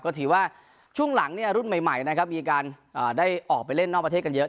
ก็ถือว่าช่วงหลังรุ่นใหม่นะครับมีการได้ออกไปเล่นนอกประเทศกันเยอะ